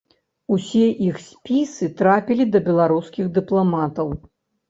Усе іх спісы трапілі да беларускіх дыпламатаў.